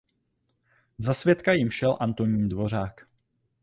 Za svědka jim šel Antonín Dvořák.